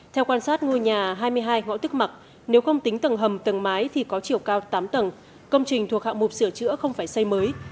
theo quan sát ngôi nhà hai mươi hai ngõ tức mặc nếu không tính tầng hầm tầng mái thì có chiều cao tám tầng công trình thuộc hạng mục sửa chữa không phải xây mới